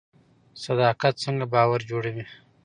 صداقت څنګه باور جوړوي؟